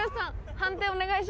判定お願いします。